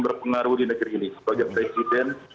berpengaruh di negeri ini sebagai presiden